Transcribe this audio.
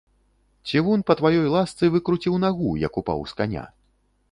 Цівун па тваёй ласцы выкруціў нагу, як упаў з каня.